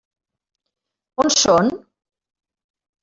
On són?